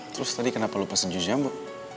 terus tadi kenapa lu pesen jus jambu